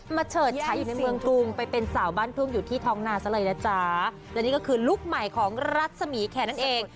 เฉิดฉาอยู่เมืองทุงไปเป็นสาวบ้านทุ่งอยู่ที่ท้องนาซะเลยนะจ๊ะและนี่ก็คือลุคใหม่ของรัศมีแขนั่นเอง